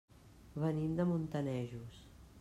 Venim de Montanejos.